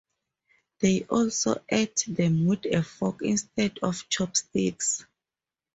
They also ate them with a fork instead of chopsticks.